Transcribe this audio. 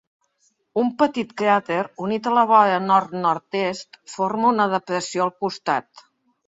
Un petit cràter unit a la vora nord-nordest forma una depressió al costat.